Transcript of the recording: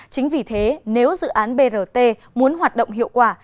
chính vì thế nếu dự án brt muốn hoạt động hiệu quả